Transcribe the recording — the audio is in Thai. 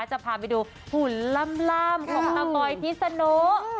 จะพาไปดูหุ่นลำของปลาบอยที่สนุก